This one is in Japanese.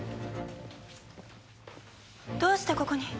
どうしてここに？